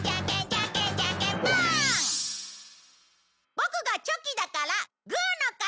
ボクがチョキだからグーの勝ち！